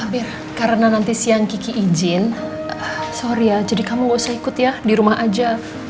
hampir karena nanti siang kiki izin sorry ya jadi kamu gak usah ikut ya di rumah aja